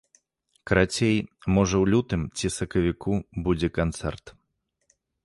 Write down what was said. Карацей, можа ў лютым ці сакавіку будзе канцэрт.